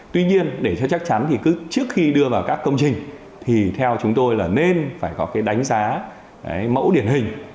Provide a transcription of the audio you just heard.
tuy nhiên để cho chắc chắn thì cứ trước khi đưa vào các công trình thì theo chúng tôi là nên phải có cái đánh giá cái mẫu điển hình